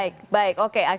baik baik oke